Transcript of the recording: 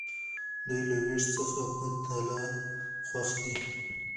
دوی له ویش څخه په تالان خوښ دي.